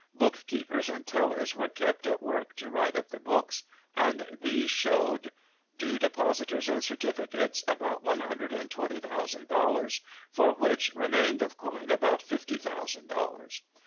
Book keepers and tellers were kept at work to write up the books; and these showed: Due depositors and certificates, about one hundred and twenty thousand dollars, for which remained of coin about fifty thousand dollars.